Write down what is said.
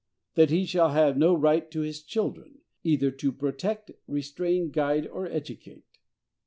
That he shall have no right to his children, either to protect, restrain, guide or educate.